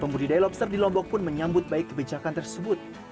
pembudidaya lobster di lombok pun menyambut baik kebijakan tersebut